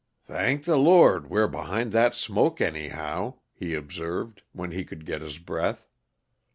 "Thank the Lord, we're behind that smoke, anyhow," he observed, when he could get his breath.